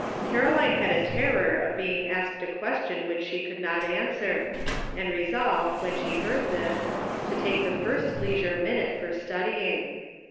Caroline had a terror of being asked a question which she could not answer, and resolved when she heard this to take the first leisure minute for study, ing.